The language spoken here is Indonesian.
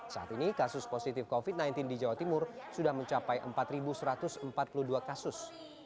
saat ini kasus positif covid sembilan belas di jawa timur sudah mencapai empat satu ratus empat puluh dua kasus